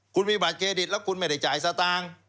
คุณมีบัตรเครดิตแล้วคุณไม่ได้จ่ายสตางค์